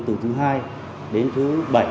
từ thứ hai đến thứ bảy